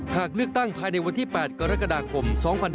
หากเลือกตั้งภายในวันที่๘กรกฎาคม๒๕๖๒